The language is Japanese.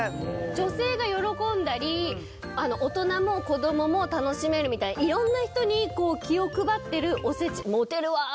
女性が喜んだり大人も子供も楽しめるみたいにいろんな人に気を配ってるおせち。